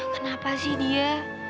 kenapa sih dia